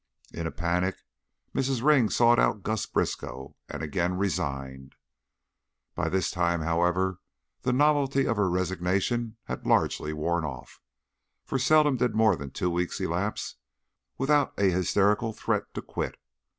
In a panic Mrs. Ring sought out Gus Briskow and again resigned. By this time, however, the novelty of her resignation had largely worn off, for seldom did more than two weeks elapse without a hysterical threat to quit.